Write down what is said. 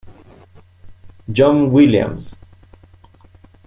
John Williams